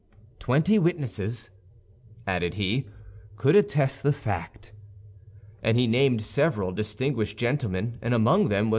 "Twenty witnesses," added he, "could attest the fact"; and he named several distinguished gentlemen, and among them was M.